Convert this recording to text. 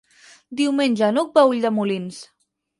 Diumenge n'Hug va a Ulldemolins.